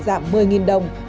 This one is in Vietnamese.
giảm một mươi đồng